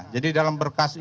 jadi dalam berkas itu